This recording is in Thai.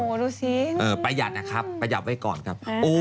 ดูสิประหยัดนะครับประหยัดไว้ก่อนครับ